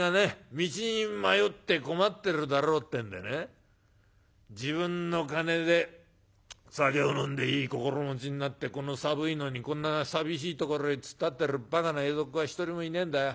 道に迷って困ってるだろうってんでね自分の金で酒を飲んでいい心持ちになってこの寒いのにこんな寂しいところへ突っ立ってるばかな江戸っ子は一人もいねえんだよ。